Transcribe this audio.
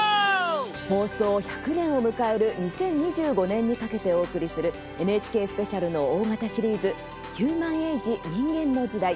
放送１００年を迎える２０２５年にかけてお送りするＮＨＫスペシャルの大型シリーズ「ヒューマンエイジ人間の時代」。